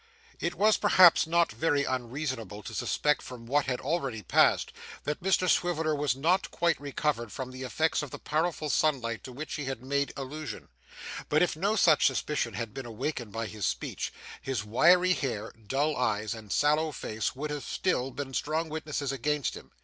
It was perhaps not very unreasonable to suspect from what had already passed, that Mr Swiveller was not quite recovered from the effects of the powerful sunlight to which he had made allusion; but if no such suspicion had been awakened by his speech, his wiry hair, dull eyes, and sallow face would still have been strong witnesses against him.